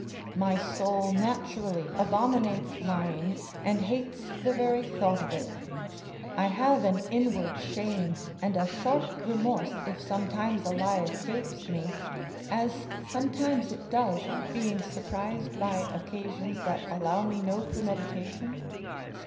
My soul naturally abominates lying, and hates the very thought of it. I have an inward shame and a sharp remorse, if sometimes a lie escapes me: as sometimes it does, being surprised by occasions that allow me no premeditation.